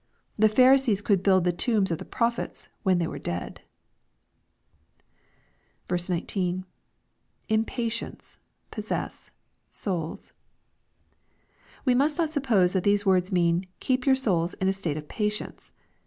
The Pharisees could build the tombs of the prophets, when they were dead. 19. — [In patience,..posses8..jioids.'\ We must not suppose that these words mean, " Keep your souls in a state of patience."